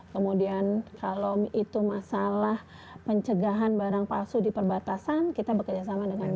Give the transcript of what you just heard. kemudian kalau itu masalah pencegahan barang palsu di perbatasan kita bekerjasama dengan